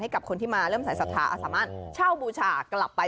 กับคนที่มาเริ่มสายศรัทธาอาสามารถเช่าบูชากลับไป